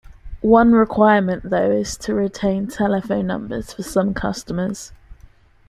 One requirement though is to retain telephone numbers for some customers.